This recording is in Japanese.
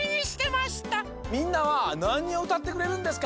みんなはなにをうたってくれるんですか？